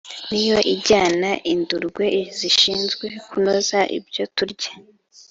niyo ajyana indurwe zishinzwe kunoza ibyo turya